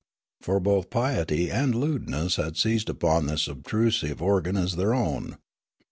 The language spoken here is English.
For both piety and lewdness had seized upon this obtrusive organ as their own.